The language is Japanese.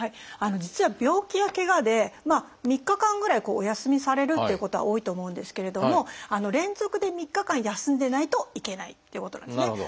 実は病気やけがで３日間ぐらいお休みされるっていうことは多いと思うんですけれども連続で３日間休んでないといけないっていうことなんですね。